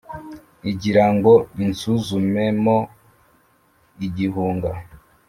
Igira ngo insuzumemo igihunga.